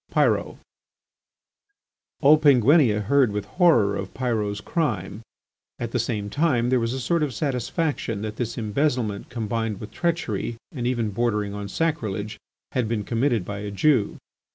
PYROT All Penguinia heard with horror of Pyrot's crime; at the same time there was a sort of satisfaction that this embezzlement combined with treachery and even bordering on sacrilege, had been committed by a Jew.